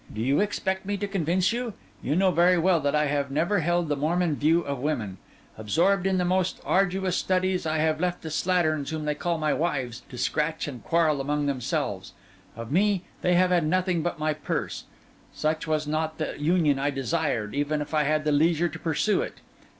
Do you expect me to convince you? You know very well that I have never held the Mormon view of women. Absorbed in the most arduous studies, I have left the slatterns whom they call my wives to scratch and quarrel among themselves; of me, they have had nothing but my purse; such was not the union I desired, even if I had the leisure to pursue it.